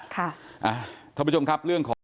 ค่ะท่านผู้ชมครับ